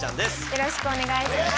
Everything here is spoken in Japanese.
よろしくお願いします。